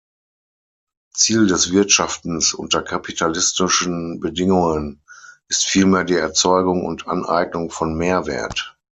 Ziel des Wirtschaftens unter kapitalistischen Bedingungen ist vielmehr die Erzeugung und Aneignung von Mehrwert.